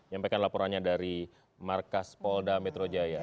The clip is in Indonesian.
nyampaikan laporannya dari markas polda metro jaya